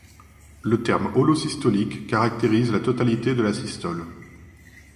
Le terme holosystolique caractérise la totalité de la systole.